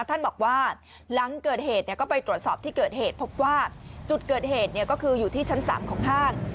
ท่านบอกว่าหลังเกิดเหตุก็ไปตรวจสอบที่เกิดเหตุพบว่าจุดเกิดเหตุก็คืออยู่ที่ชั้น๓ของห้าง